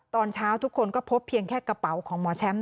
ตอนเช้าทุกคนก็พบเพียงแค่กระเป๋าของหมอแชมป์